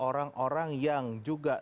orang orang yang juga